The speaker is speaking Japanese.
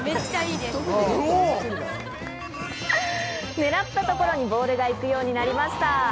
狙ったところにボールが行くようになりました。